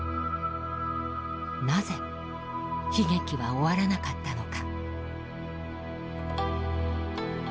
なぜ悲劇は終わらなかったのか。